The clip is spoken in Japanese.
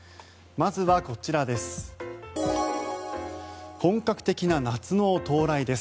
まずは、こちらです。